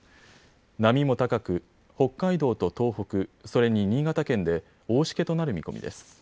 波も高く、北海道と東北、それに新潟県で大しけとなる見込みです。